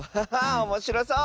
おもしろそう！